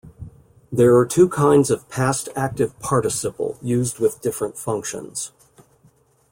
There are two kinds of past active participle, used with different functions.